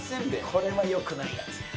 これはよくないやつ。